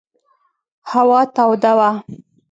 هوا توده وه.